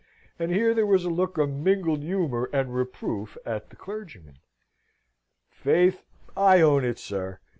And here there was a look of mingled humour and reproof at the clergyman. "Faith, I own it, sir!"